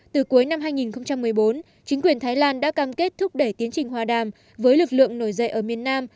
từ cuối năm hai nghìn một mươi bốn chính quyền thái lan đã cam kết thúc đẩy tiến trình hòa đàm với lực lượng nổi dậy ở miền nam